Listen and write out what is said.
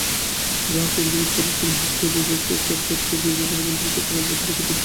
গ্রাহককেন্দ্রিক প্রতিষ্ঠান হিসেবে ব্যবসার সব খাতকে ডিজিটালে রূপান্তরের ক্ষেত্রে আমরা দৃঢ়প্রতিজ্ঞ।